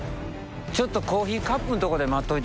ちょっとコーヒーカップんとこで待っといてくれる？